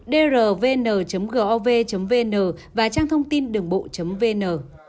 drvn gov vn và trang thông tin đường bộ vn